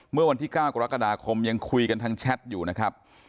เมื่อวันที่๙กรกฎาคมยังคุยกันทางแชทอยู่นะครับ